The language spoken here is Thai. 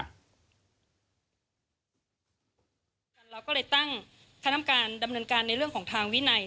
เราก็เลยตั้งคณะกรรมการดำเนินการในเรื่องของทางวินัย